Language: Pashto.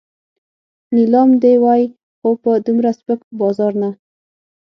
نیلام دې وای خو په دومره سپک بازار نه.